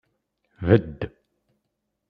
Bed!